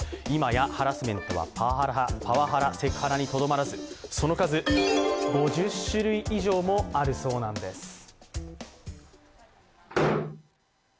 今やハラスメントはパワハラ、セクハラにとどまらずその数、５０種類以上もあるそうなんです。